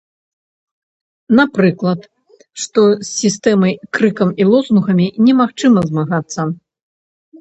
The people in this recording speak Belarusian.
Напрыклад, што з сістэмай крыкам і лозунгамі немагчыма змагацца.